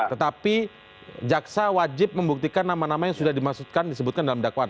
tetapi jaksa wajib membuktikan nama nama yang sudah dimaksudkan disebutkan dalam dakwaan